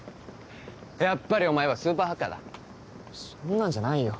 やっぱりお前はスーパーハッカーだそんなんじゃないよ